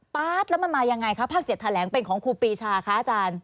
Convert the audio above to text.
๊าดแล้วมันมายังไงคะภาค๗แถลงเป็นของครูปีชาคะอาจารย์